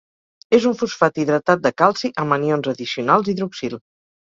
És un fosfat hidratat de calci amb anions addicionals hidroxil.